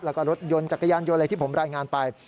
แล้วก็รถยนต์จักรยานยนต์อะไรที่ผมรายงานไป